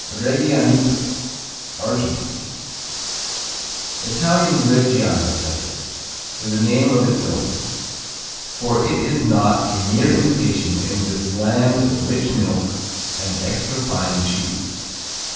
Regianito Argentine Italian Reggiano type with a name of its own, for it is not a mere imitation in this land of rich milk and extra fine cheeses.